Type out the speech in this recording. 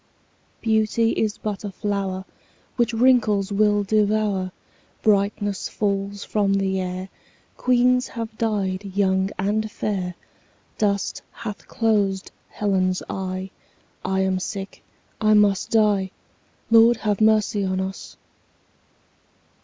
Beauty is but a flower 15 Which wrinkles will devour; Brightness falls from the air; Queens have died young and fair; Dust hath closed Helen's eye; I am sick, I must die— 20 Lord, have mercy on us!